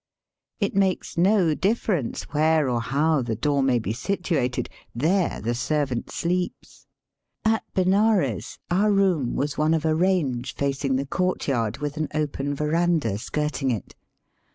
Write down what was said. It makes no difference where or how the door may be situated, there the servant sleeps. At Benares our room was one of a range facing the court yard, with an open verandah skirting it.